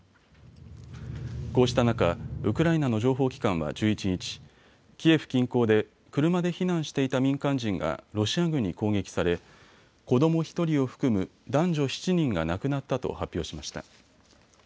こうした中、ウクライナの情報機関は１１日、キエフ近郊で車で避難していた民間人がロシア軍に攻撃され子ども１人を含む男女７人が亡くなったと発表しました。